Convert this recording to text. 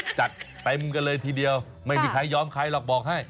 จัดเต็มกันเลยทีเดียวไม่มีใครยอมใครหรอกบอกให้